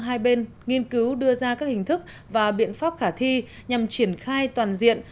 hai bên nghiên cứu đưa ra các hình thức và biện pháp khả thi nhằm triển khai toàn diện